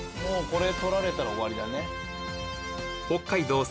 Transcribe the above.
これ取られたら終わりだ。